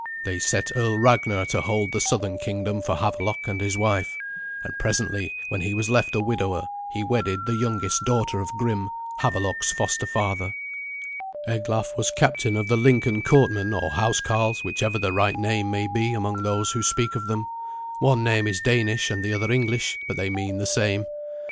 They set Earl Ragnar to hold the southern kingdom for Havelok and his wife; and presently, when he was left a widower, he wedded the youngest daughter of Grim, Havelok's foster father. Eglaf was captain of the Lincoln courtmen or housecarls, whichever the right name may be among those who speak of them. One name is Danish and the other English, but they mean the same.